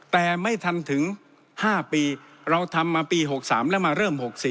แต่ไม่ทันถึง๕ปีเราทำมาปี๖๓แล้วมาเริ่ม๖๔